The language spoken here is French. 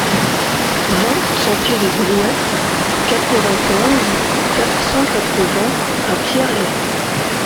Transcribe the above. vingt sentier des Grouettes, quatre-vingt-quinze, quatre cent quatre-vingts à Pierrelaye